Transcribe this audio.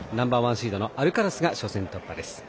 シードのアルカラスが初戦突破です。